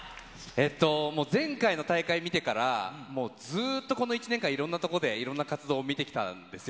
もう前回の大会見てから、もうずっとこの１年間、いろんなとこで、いろんな活動を見てきたんですよ。